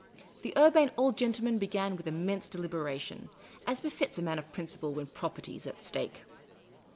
The Urbane Old Gentleman began with immense delibera tion, as befits a man of principle when Property is at stake.